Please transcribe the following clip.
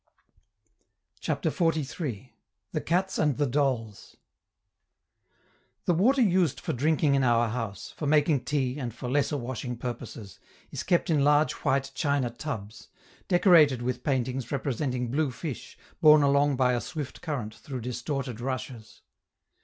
CHAPTER XLIII. THE CATS AND THE DOLLS The water used for drinking in our house, for making tea, and for lesser washing purposes, is kept in large white china tubs, decorated with paintings representing blue fish borne along by a swift current through distorted rushes.